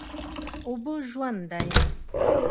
اوبه ژوند دی؟